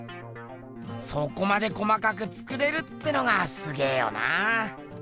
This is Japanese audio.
そこまで細かく作れるってのがすげぇよな。